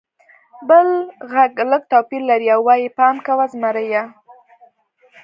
بل غږ لږ توپیر لري او وایي: «پام کوه! زمری!»